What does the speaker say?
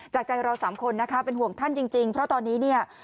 จากใจเราสามคนนะคะเป็นห่วงท่านจริงเพราะตอนนี้เนี่ย